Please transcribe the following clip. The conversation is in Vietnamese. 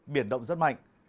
biển động rất mạnh